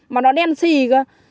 mà nó đen xì cơ